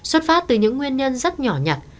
xuất phát từ những nguyên nhân rất nhỏ nhặt